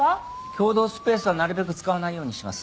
共同スペースはなるべく使わないようにします。